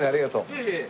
いえいえ。